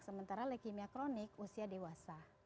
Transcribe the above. sementara leukemia kronik usia dewasa